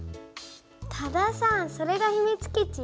多田さんそれがひみつ基地？